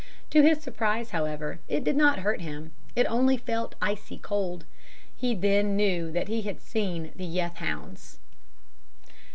To his surprise, however, it did not hurt him, it only felt icy cold. He then knew that he had seen the "Yeth Hounds."